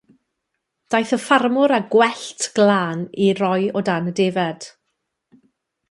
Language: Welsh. Daeth y ffarmwr â gwellt glân i roi o dan y defaid.